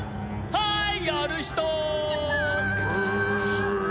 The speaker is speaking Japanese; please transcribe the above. はい！